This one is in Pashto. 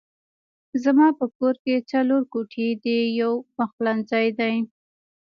زما په کور کې څلور کوټې دي يو پخلنځی دی